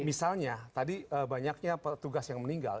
misalnya tadi banyaknya petugas yang meninggal